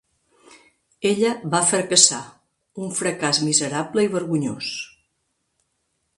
Ella va fracassar, un fracàs miserable i vergonyós.